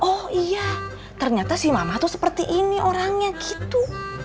oh iya ternyata si mama tuh seperti ini orangnya gitu